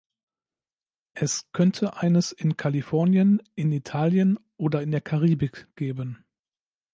Es könnte eines in Kalifornien, in Italien oder in der Karibik geben.